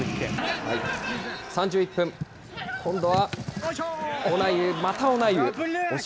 ３１分、今度はオナイウ、またオナイウです。